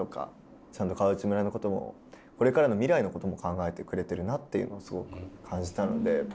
ちゃんと川内村のこともこれからの未来のことも考えてくれてるなっていうのをすごく感じたので。